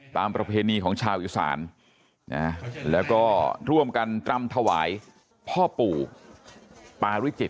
ประเพณีของชาวอีสานแล้วก็ร่วมกันตรำถวายพ่อปู่ปาริจิต